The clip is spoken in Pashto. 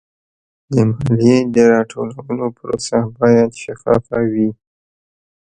د مالیې د راټولولو پروسه باید شفافه وي.